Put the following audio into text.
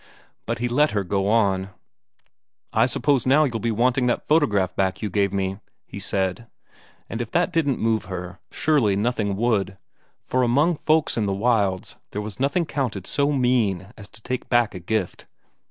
But he let her go on. "I suppose now you'll be wanting that photograph back you gave me," he said. And if that didn't move her, surely nothing would, for among folks in the wilds, there was nothing counted so mean as to take back a gift.